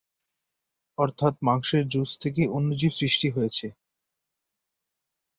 অর্থাৎ মাংসের জুস থেকে অণুজীব সৃষ্টি হয়েছে।